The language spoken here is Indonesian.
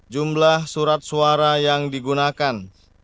jumlah surat suara yang digunakan